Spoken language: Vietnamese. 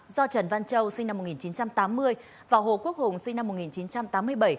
do trần văn châu sinh năm một nghìn chín trăm tám mươi và hồ quốc hùng sinh năm một nghìn chín trăm tám mươi bảy